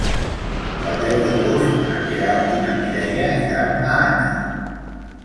El deu d'agost na Queralt i na Mireia iran a Anna.